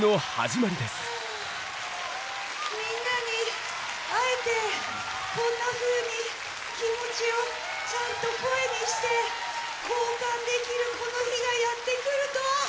みんなに会えてこんなふうに気持ちをちゃんと声にして交換できるこの日がやって来るとは！